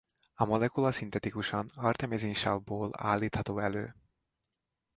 A molekula szintetikusan artemizinsavből állítható elő.